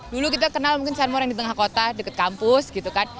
dulu kita kenal mungkin sunmore yang di tengah kota dekat kampus gitu kan